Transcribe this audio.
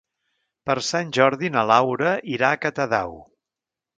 Per Sant Jordi na Laura irà a Catadau.